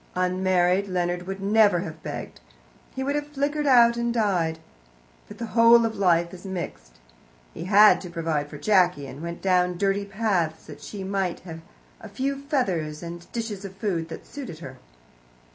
Unmarried, Leonard would never have begged; he would have flickered out and died. But the whole of life is mixed. He had to provide for Jacky, and went down dirty paths that she might have a few feathers and dishes of food that suited her.